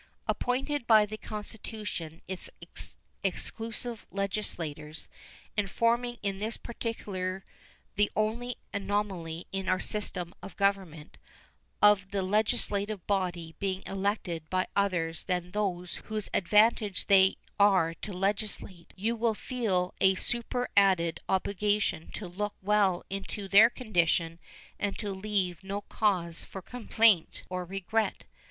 Appointed by the Constitution its exclusive legislators, and forming in this particular the only anomaly in our system of government of the legislative body being elected by others than those for whose advantage they are to legislate you will feel a superadded obligation to look well into their condition and to leave no cause for complaint or regret.